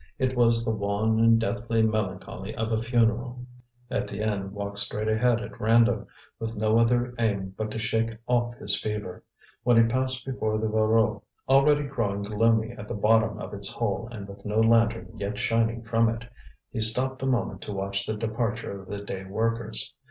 It was the wan and deathly melancholy of a funeral. Étienne walked straight ahead at random, with no other aim but to shake off his fever. When he passed before the Voreux, already growing gloomy at the bottom of its hole and with no lantern yet shining from it, he stopped a moment to watch the departure of the day workers.